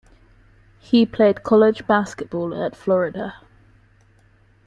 He played college basketball at Florida.